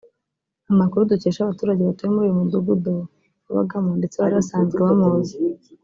Amakuru dukesha abaturage batuye muri uyu mudugudu yabagamo ndetse bari basanzwe bamuzi